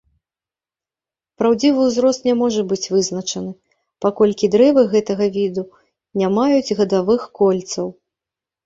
Праўдзівы ўзрост не можа быць вызначаны, паколькі дрэвы гэтага віду не маюць гадавых кольцаў.